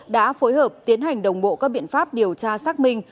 đã phối hợp tiến hành đồng bộ các biện pháp điều tra xác minh